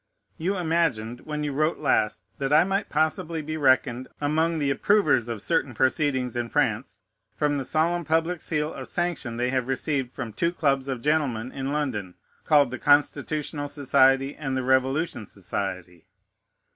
You imagined, when you wrote last, that I might possibly be reckoned among the approvers of certain proceedings in France, from the solemn public seal of sanction they have received from two clubs of gentlemen in London, called the Constitutional Society, and the Revolution Society.